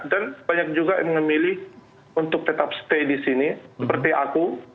dan banyak juga yang memilih untuk tetap stay di sini seperti aku